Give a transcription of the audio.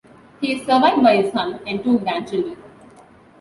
He is survived by his son and two grandchildren.